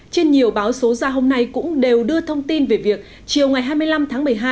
trên nhiều báo số ra hôm nay cũng đều đưa thông tin về việc chiều ngày hai mươi năm tháng một mươi hai